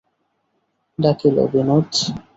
ডাকিল, Binod.